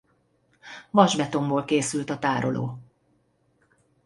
Vasbetonból készült a tároló.